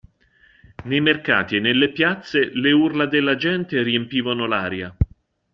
Nei mercati e nelle piazze le urla della gente riempivano l'aria.